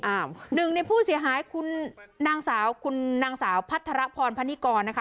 หนึ่งในผู้เสียหายคุณนางสาวคุณนางสาวพัทรพรพนิกรนะคะ